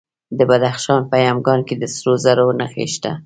د بدخشان په یمګان کې د سرو زرو نښې شته.